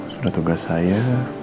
sudah tugas saya